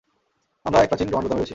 আমরা এক প্রাচীন রোমান গুদামে রয়েছি।